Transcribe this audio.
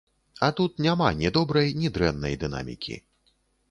А тут няма ні добрай, ні дрэннай дынамікі.